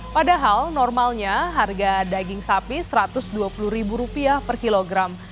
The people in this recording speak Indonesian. padahal normalnya harga daging sapi rp satu ratus dua puluh per kilogram